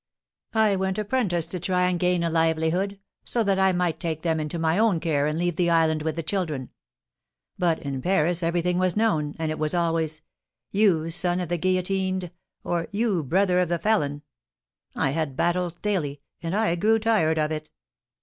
I went apprentice to try and gain a livelihood, so that I might take them into my own care and leave the island with the children; but in Paris everything was known, and it was always, 'You son of the guillotined!' or, 'You brother of the felon!' I had battles daily, and I grew tired of it."